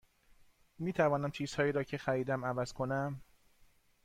می توانم چیزهایی را که خریدم عوض کنم؟